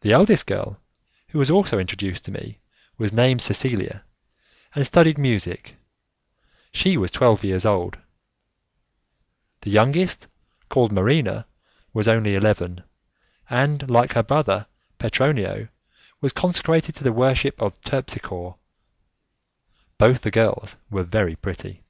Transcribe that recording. The eldest girl, who was also introduced to me, was named Cecilia, and studied music; she was twelve years old; the youngest, called Marina, was only eleven, and like her brother Petronio was consecrated to the worship of Terpsichore. Both the girls were very pretty.